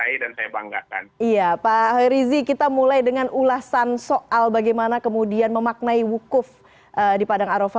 iya pak hoerizi kita mulai dengan ulasan soal bagaimana kemudian memaknai wukuf di padang arofa